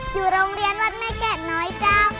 อยู่โรงเรียนวัดแม่แก่น้อยเจ้า